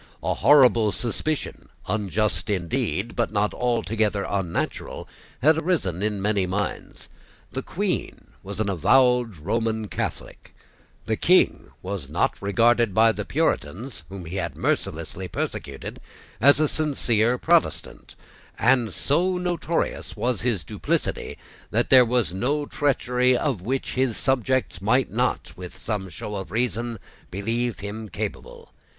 A horrible suspicion, unjust indeed, but not altogether unnatural, had arisen in many minds. The Queen was an avowed Roman Catholic: the King was not regarded by the Puritans, whom he had mercilessly persecuted, as a sincere Protestant; and so notorious was his duplicity, that there was no treachery of which his subjects might not, with some show of reason, believe him capable.